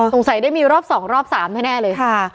สงสัยได้มีรอบ๒รอบ๓แน่เลยค่ะ